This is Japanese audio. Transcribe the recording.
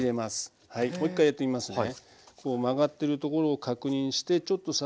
もう一回やってみますね。